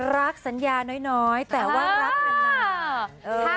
รักสัญญาน้อยแต่ว่ารักกันมาก